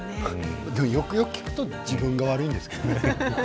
よくよく聞くと自分が悪いんですけれどね。